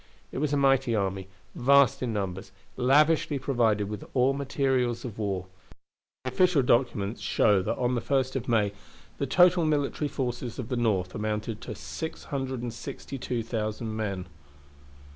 It was a mighty army, vast in numbers, lavishly provided with all materials of war. The official documents show that on the 1st of May the total military forces of the North amounted to 662,000 men.